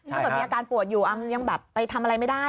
ถ้าเกิดมีอาการปวดอยู่มันยังแบบไปทำอะไรไม่ได้